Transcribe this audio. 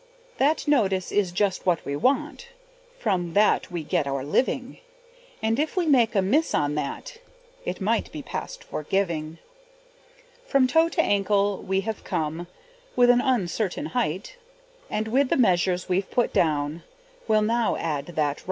That notice is just what we want, From that we get our living; And if we make a miss on that, It might be past forgiving. From toe to ankle we have come, With an uncertain height, And with the measures we've put down Will now add that right.